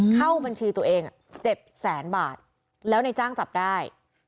เข้าบัญชีตัวเอง๗แสนบาทแล้วในจ้างจับได้